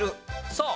そう！